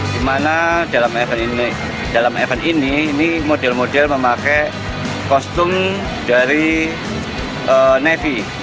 di mana dalam event ini ini model model memakai kostum dari navy